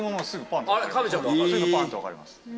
パン！って分かります。